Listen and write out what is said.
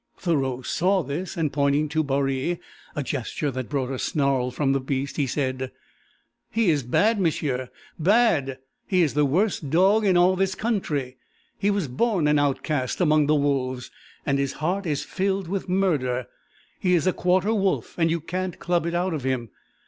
Thoreau saw this, and pointing to Baree a gesture that brought a snarl from the beast he said: "He is bad, m'sieu, bad! He is the worst dog in all this country. He was born an outcast among the wolves and his heart is filled with murder. He is a quarter wolf, and you can't club it out of him.